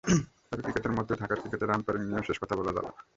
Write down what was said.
তবে ক্রিকেটের মতোই ঢাকার ক্রিকেটের আম্পায়ারিং নিয়েও শেষ কথা বলা যাবে না।